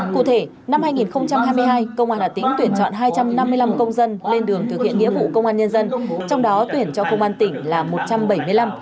cụ thể năm hai nghìn hai mươi hai công an hà tĩnh tuyển chọn hai trăm năm mươi năm công dân lên đường thực hiện nghĩa vụ công an nhân dân trong đó tuyển cho công an tỉnh là